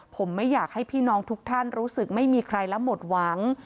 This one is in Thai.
ผมไม่อยากให้พี่น้องทุกท่านรู้สึกไม่มีใครและหมดหวัง